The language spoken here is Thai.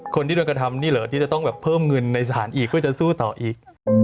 คนที่โดนกระทำนี่เหรอที่จะต้องแบบเพิ่มเงินในสถานอีกเพื่อจะสู้ต่ออีก